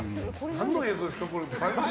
何の映像ですか？